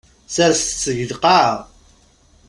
Serset-t deg lqaɛa.